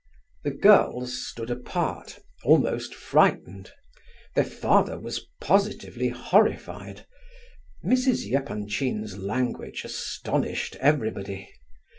The girls stood apart, almost frightened; their father was positively horrified. Mrs. Epanchin's language astonished everybody.